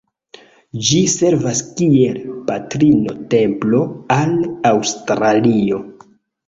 Ĝi servas kiel "Patrino-Templo" al Aŭstralio.